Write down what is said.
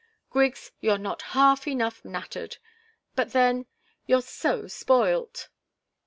Griggs, you're not half enough nattered! But then, you're so spoilt!"